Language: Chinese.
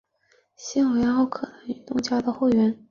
现为奥克兰运动家的后援投手。